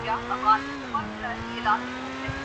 یہ رنگ آپ پر خوب جچتا ہے